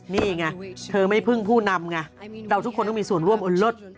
นี่ไงเธอไม่พึ่งผู้นำไงเราทุกคนต้องมีส่วนร่วมเลิศ